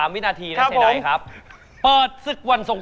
มีอะไรบ้าง